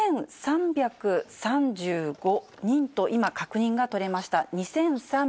２３３５人と、今確認が取れました。